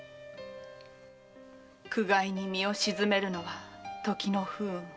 苦界に身を沈めるのは時の不運。